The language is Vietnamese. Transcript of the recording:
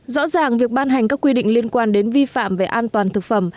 rõ ràng việc ban hành các quy định liên quan đến vi phạm về an toàn thực phẩm